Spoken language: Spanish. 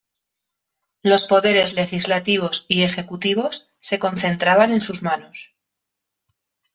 Los poderes legislativos y ejecutivos se concentraban en sus manos.